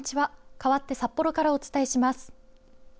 かわって札幌からお伝えします。